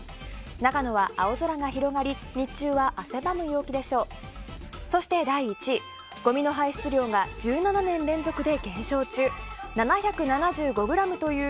長野は青空が広がり日中は汗ばむ陽気でしょう。